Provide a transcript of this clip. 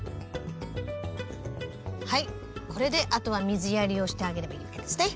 はいこれであとは水やりをしてあげればいいわけですね。